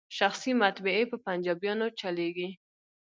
شخصي مطبعې په پنجابیانو چلیږي.